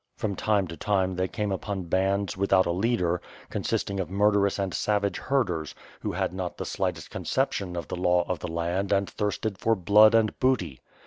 From time to time they came upon bands without a leader, consisting of murderous and savage herders, who had not the slightest conception of the law of the land and thirsted for blood and booty.